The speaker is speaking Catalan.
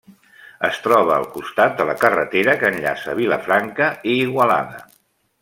Es troba al costat de la carretera que enllaça Vilafranca i Igualada.